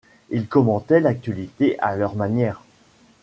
Ils commentaient l'actualité à leur manière.